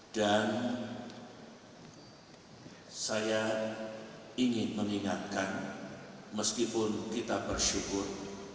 dan saya ingin mengingatkan meskipun kita bersyukur